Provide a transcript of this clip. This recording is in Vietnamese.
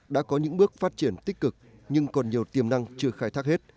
đã có những bước phát triển tích cực nhưng còn nhiều tiềm năng chưa khai thác hết